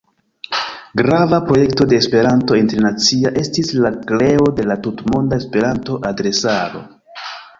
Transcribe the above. Grava projekto de "Esperanto Internacia" estis la kreo de la Tutmonda Esperanto-adresaro.